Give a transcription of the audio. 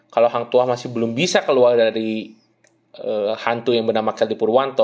kalau masih belum bisa keluar dari hantu yang bernama kelly purwanto